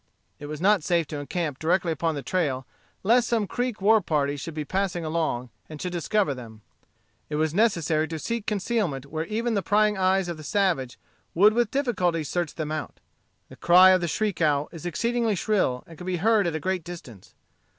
It was not safe to encamp directly upon the trail, lest some Creek war party should be passing along, and should discover them. It was necessary to seek concealment where even the prying eyes of the savage would with difficulty search them out. The cry of the shriek owl is exceedingly shrill, and can be heard at a great distance.